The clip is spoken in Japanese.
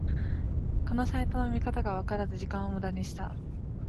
このサイトの見方がわからず時間をムダにした